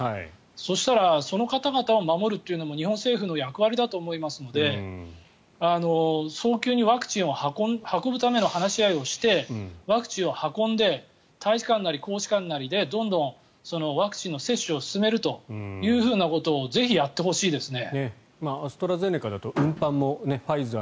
そしたらその方々を守るというのも日本政府の役割だと思いますので早急にワクチンを運ぶための話し合いをしてワクチンを運んで大使館なり公使館なりでどんどんワクチンの接種を進めるということをぜひやってほしいですね。